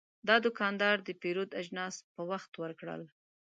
دا دوکاندار د پیرود اجناس په وخت ورکړل.